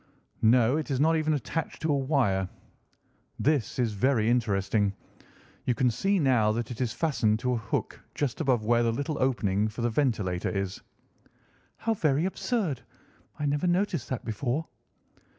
"No, it is not even attached to a wire. This is very interesting. You can see now that it is fastened to a hook just above where the little opening for the ventilator is." "How very absurd! I never noticed that before."